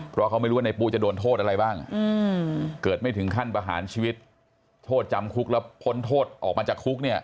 เพราะเขาไม่รู้ว่าในปุ๊จะโดนโทษอะไรบ้างเกิดไม่ถึงขั้นประหารชีวิตโทษจำคุกแล้วพ้นโทษออกมาจากคุกเนี่ย